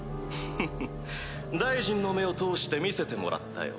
フフっ大臣の目を通して見せてもらったよ。